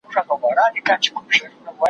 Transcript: سیال له سیال له سره ملګری ښه ښکارېږي